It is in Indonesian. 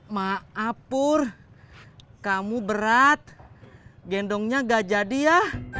maaf pur kamu berat gendongnya nggak jadi ya